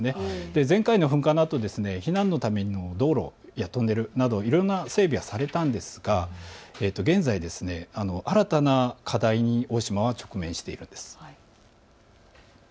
前回の噴火のあと避難のための道路やトンネルなどいろいろ整備はされたんですが現在、新たな課題に大島は直面しているんです。